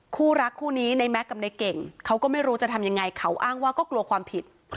คู่รักคู่นี้ในแก๊กกับในเก่งเขาก็ไม่รู้จะทำยังไงเขาอ้างว่าก็กลัวความผิด